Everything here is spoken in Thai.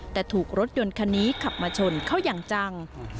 แต่ถูกรถยนต์คันนี้ขับมาชนเข้าอย่างจัง